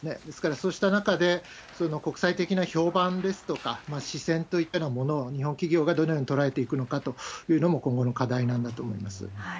ですから、そうした中で、国際的な評判ですとか視線といったようなものを日本企業がどのように捉えていくのかというのも今後の課題なんだと思います。